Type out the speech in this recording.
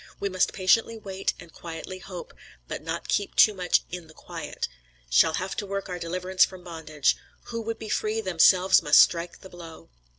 We must patiently wait and quietly hope; but not keep too much 'in the quiet.' Shall have to work our deliverance from bondage. 'Who would be free, themselves must strike the blow.'